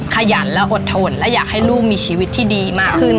ขยันและอดทนและอยากให้ลูกมีชีวิตที่ดีมากขึ้น